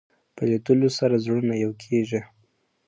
په لیدلو سره زړونه یو کېږي